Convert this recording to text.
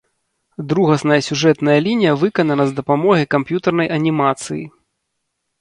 Другасная сюжэтная лінія выканана з дапамогай камп'ютарнай анімацыі.